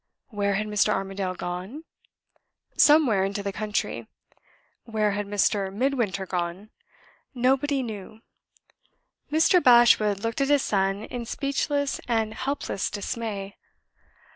Where had Mr. Armadale gone? Somewhere into the country. Where had Mr. Midwinter gone? Nobody knew. Mr. Bashwood looked at his son in speechless and helpless dismay.